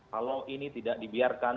kalau ini tidak dibiarkan